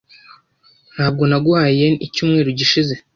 Ntabwo naguhaye yen icyumweru gishize?